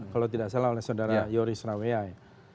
kalau tidak salah oleh saudara yoris raweai